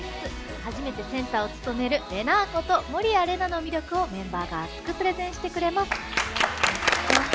初めてセンターを務める「れなぁ」こと守屋麗奈の魅力をメンバーが熱くプレゼンしてくれます。